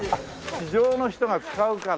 市場の人が使うからな。